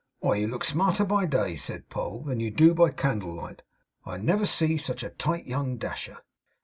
'Why, you look smarter by day,' said Poll, 'than you do by candle light. I never see such a tight young dasher.